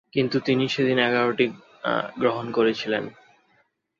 কিন্তু তিনি সেদিন এগারোটি গ্রহণ করেছিলেন।